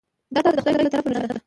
دا تا ته د خدای له طرفه نښانه ده .